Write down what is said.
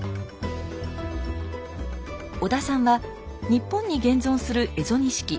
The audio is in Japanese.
小田さんは日本に現存する蝦夷錦